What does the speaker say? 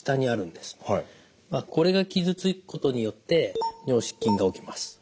これが傷つくことによって尿失禁が起きます。